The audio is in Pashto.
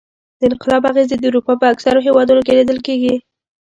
د انقلاب اغېزې د اروپا په اکثرو هېوادونو کې لیدل کېدې.